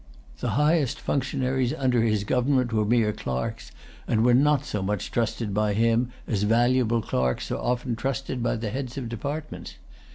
The highest functionaries under his government were mere clerks, and were not so much trusted by him as valuable clerks are often trusted by the heads of departments.